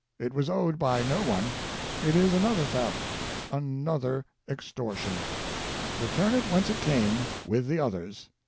It was owed by no one. It is another theft, an other extortion. Return it whence it came, with the others.